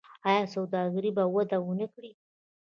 آیا سوداګري به وده ونه کړي؟